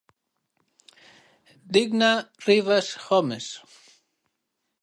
Digna Rivas Gómez.